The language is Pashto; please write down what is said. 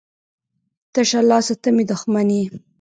تشه لاسه ته مي دښمن يي.